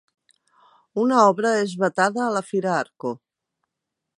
Una obra és vetada a la fira Arco